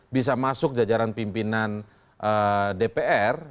bisa masuk jajaran pimpinan dpr